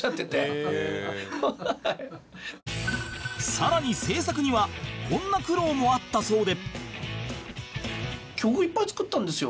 さらに制作にはこんな苦労もあったそうで